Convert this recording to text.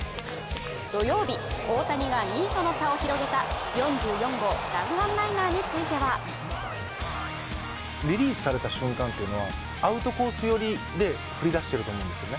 土曜日、大谷が２位との差を広げた４４号弾丸ライナーについてはリリースされた瞬間はアウトコースよりで振りだしているんですね。